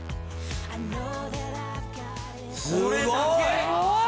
すごい！